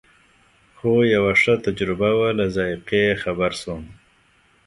خو یوه ښه تجربه وه له ذایقې یې خبر شوم.